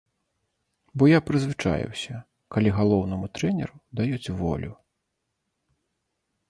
Бо я прызвычаіўся, калі галоўнаму трэнеру даюць волю!